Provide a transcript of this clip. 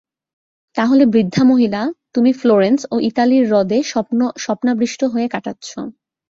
তাহলে বৃদ্ধা মহিলা, তুমি ফ্লোরেন্স ও ইতালীর হ্রদে স্বপ্নাবিষ্ট হয়ে কাটাচ্ছ।